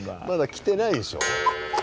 まだ来てないでしょ。